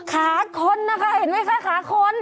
คาคนนะคะเห็นมั้ยคะคาคน